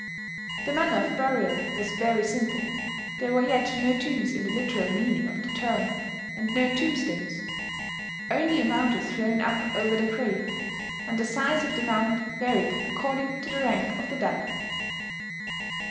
The manner of burial was very simple: there were yet no tombs in the literal meaning of the term, and no tombstones. Only a mound was thrown up over the grave; and the size of the mound varied according to the rank of the dead.